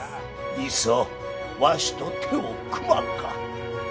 いっそわしと手を組まんか。